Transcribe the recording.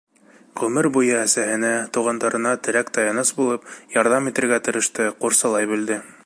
Ғүмер буйы әсәһенә, туғандарына терәк-таяныс булып, ярҙам итергә тырышты, ҡурсалай белде.